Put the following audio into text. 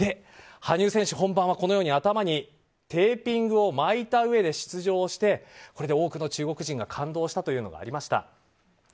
羽生選手、本番はこのように頭にテーピングを巻いたうえで出場して、これで多くの中国人が感動したというのがありました。